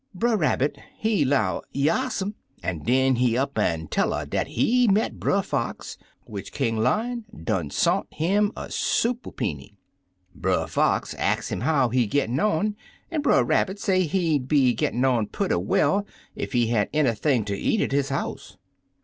Brer Rabbit, he 'low, *Yassum!' an' den he up an' tell 'er dat he met Brer Fox, which King Lion done sont 'im a soople peeny. Brer Fox ax 'im how he gittin' on, an' Brer Rabbit say he'd be gittin' on purty well ef he had anything ter eat at his house.